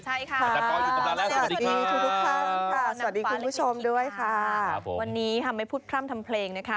ใช่ค่ะสวัสดีคุณผู้ชมด้วยค่ะวันนี้ครับไม่พูดพร่ำทำเพลงนะคะ